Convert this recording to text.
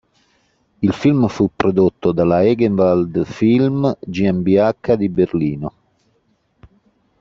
Il film fu prodotto dalla Hegewald-Film GmbH di Berlino.